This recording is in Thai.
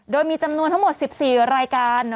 โดยมีจำนวนทั้งหมด๑๔รายการ